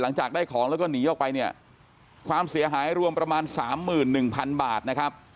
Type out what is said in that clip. หลังจากได้ของแล้วก็หนีออกไปเนี่ยความเสียหายรวมประมาณ๓๑๐๐๐บาทนะครับ